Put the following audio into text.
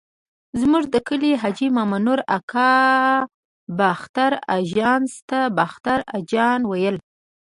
زموږ د کلي حاجي مامنور اکا باختر اژانس ته باختر اجان ویل.